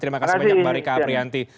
terima kasih banyak mbak rika aprianti